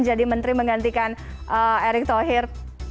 menteri menggantikan erick thohir